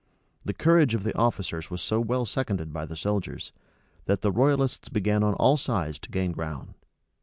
The courage of the officers was so well seconded by the soldiers, that the royalists began on all sides to gain ground.